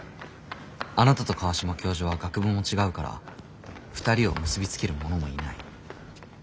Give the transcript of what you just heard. あなたと川島教授は学部も違うから２人を結び付ける者もいない。